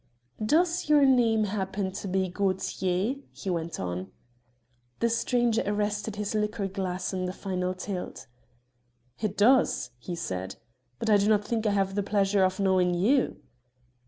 "Does your name happen to be Gaultier?" he went on. The stranger arrested his liqueur glass in the final tilt. "It does," he said; "but I do not think I have the pleasure of knowing you."